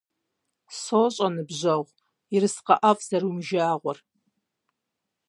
СощӀэ, ныбжьэгъу, ерыскъы ӀэфӀ узэримыжагъуэр.